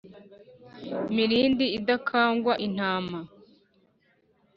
Mirindi idakangwa intama